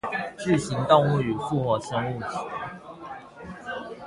巨型動物與復活生物學